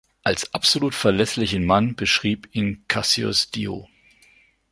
Als absolut verlässlichen Mann beschrieb ihn Cassius Dio.